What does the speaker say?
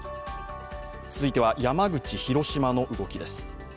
続いては山口、広島の動きです。